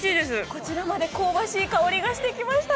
こちらまで香ばしい香りがしてきました。